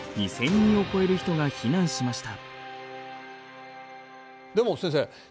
人を超える人が避難しました。